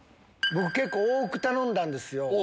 僕結構多く頼んだんですよ。